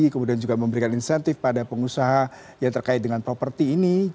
kemudian juga memberikan insentif pada pengusaha yang terkait dengan properti ini